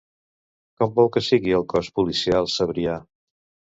Com vol que sigui el cos policial Sabrià?